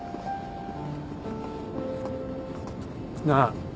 なあ。